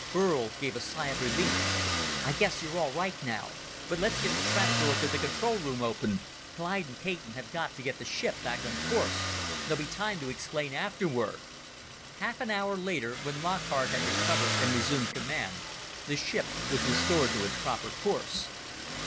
Burl gave a sigh of relief. "I guess you're all right now. But let's get the trap door to the control room open. Clyde and Caton have got to get the ship back on course. There'll be time to explain afterward." Half an hour later, when Lockhart had recovered and resumed command, the ship was restored to its proper course.